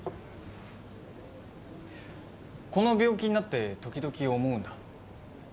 この病気になって時々思うんだ。